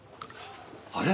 あれ？